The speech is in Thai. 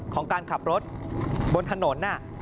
ของการขับรถบนถนน